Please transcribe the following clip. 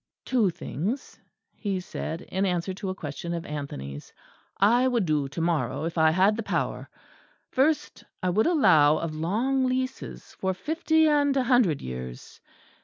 "Two things," he said, in answer to a question of Anthony's, "I would do to morrow if I had the power. First I would allow of long leases for fifty and a hundred years.